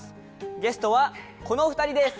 ゲストはこのお二人です！